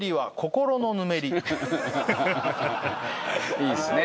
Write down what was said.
いいっすね。